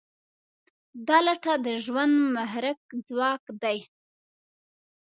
دا لټه د ژوند محرک ځواک دی.